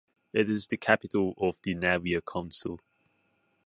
It is the capital of the Navia council.